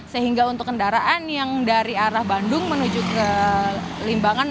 sehingga untuk kendaraan yang dari arah bandung menuju ke limbangan